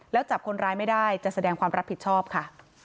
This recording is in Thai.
แล้วจับคนร้ายไม่ได้จะแสดงความรับผิดชอบค่ะ